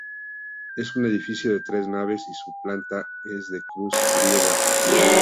Es un edificio de tres naves y su planta es de cruz griega.